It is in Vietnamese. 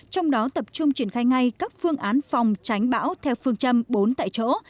trong đó tập trung triển khai ngay các phương án phòng tránh bão theo phương châm bốn tại chỗ